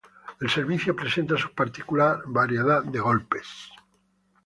El servicio presenta su particular variedad de golpes.